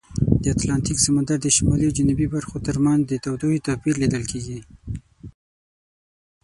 د اتلانتیک سمندر د شمالي او جنوبي برخو ترمنځ د تودوخې توپیر لیدل کیږي.